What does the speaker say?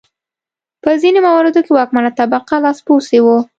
په ځینو مواردو کې واکمنه طبقه لاسپوڅي وو.